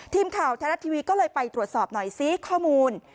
ทีมข่าวไทยรัฐทีวีก็เลยไปตรวจสอบหน่อยซิข้อมูล